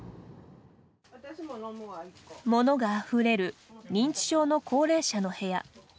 物があふれる認知症の高齢者の部屋。